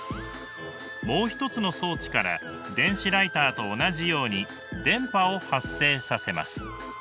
もう一つの装置から電子ライターと同じように電波を発生させます。